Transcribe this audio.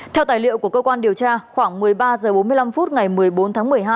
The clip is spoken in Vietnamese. theo tài liệu của cơ quan điều tra khoảng một mươi ba h bốn mươi năm phút ngày một mươi bốn tháng một mươi hai